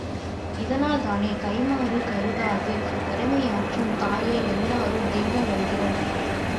இதனால் தானே, கைமாறு கருதாது கடமையாற்றும் தாயை எல்லோரும் தெய்வம் என்கிறோம்.